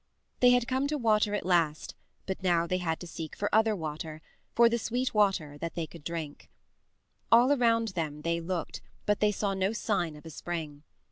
They had come to water at last, but now they had to seek for other water for the sweet water that they could drink. All around them they looked, but they saw no sign of a spring.